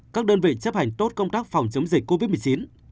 các đơn vị chấp hành tốt công tác phòng chống dịch covid một mươi chín